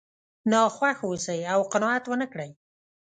ناخوښ واوسئ او قناعت ونه کړئ.